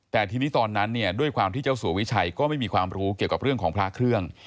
แต่ทีนี้ตอนนั้นเนี่ยด้วยความที่เจ้าสัววิชัยก็ไม่มีความรู้เกี่ยวกับเรื่องของพระเครื่อง